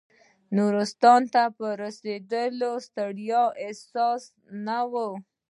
نورستان ته په رسېدو د ستړیا احساس نه و.